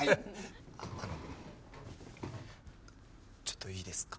あのちょっといいですか？